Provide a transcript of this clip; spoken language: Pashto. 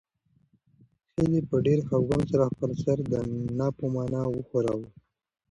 هیلې په ډېر خپګان سره خپل سر د نه په مانا وښوراوه.